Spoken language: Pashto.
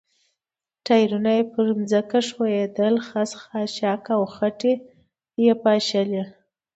ټایرونه پر ځمکه ښویېدل، خس، خاشاک او خټې یې پاشلې.